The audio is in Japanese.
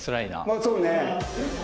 まあそうね。